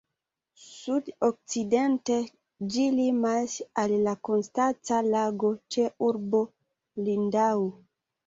Sud-okcidente ĝi limas al la Konstanca Lago, ĉe urbo Lindau.